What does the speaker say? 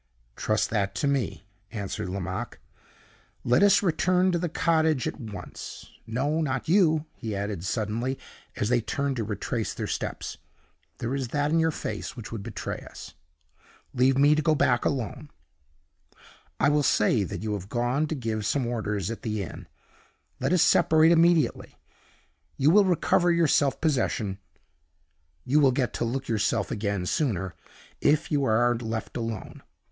"Trust that to me," answered Lomaque. "Let us return to the cottage at once. No, not you," he added, suddenly, as they turned to retrace their steps. "There is that in your face which would betray us. Leave me to go back alone I will say that you have gone to give some orders at the inn. Let us separate immediately. You will recover your self possession you will get to look yourself again sooner if you are left alone.